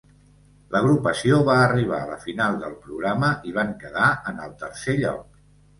L'agrupació va arribar a la final del programa i van quedar en el tercer lloc.